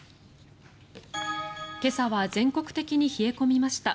今朝は全国的に冷え込みました。